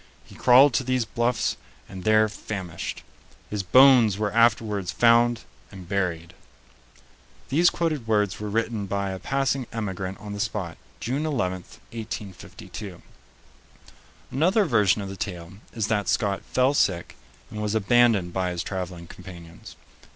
He crawled to these Bluffs and there famished. His bones were afterwards found and buried." These quoted words were written by a passing emigrant on the spot, June 11, 1852. Another version of the tale is that Scott fell sick and was abandoned by his traveling companions.